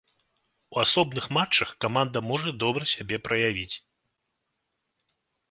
У асобных матчах каманда можа добра сябе праявіць.